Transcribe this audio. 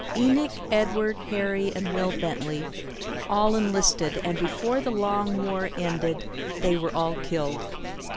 Enoch, Edward, Harry, and Will Bentley all enlisted and before the long war ended they were all killed.